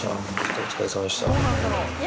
お疲れさまでした。